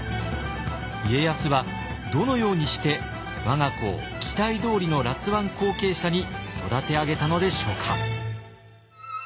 家康はどのようにして我が子を期待どおりの辣腕後継者に育て上げたのでしょうか。